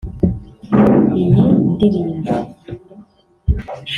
Iyi ndirimbo